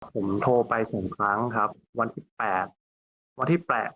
ผมโทรไปสองครั้งครับวันที่๘วันที่๘